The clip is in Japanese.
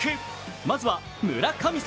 まずは、村神様